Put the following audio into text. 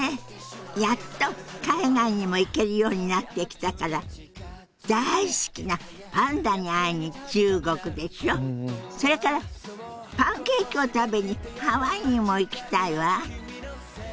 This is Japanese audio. やっと海外にも行けるようになってきたから大好きなパンダに会いに中国でしょそれからパンケーキを食べにハワイにも行きたいわ。